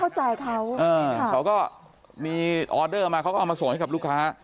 เข้าใจเขาเขาก็มีออเดอร์มาเขาก็เอามาส่งให้กับลูกค้า